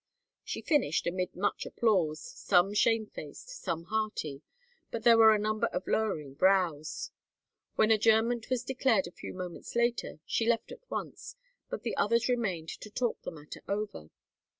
She finished amid much applause, some shamefaced, some hearty, but there were a number of lowering brows. When adjournment was declared a few moments later, she left at once, but the others remained to talk the matter over.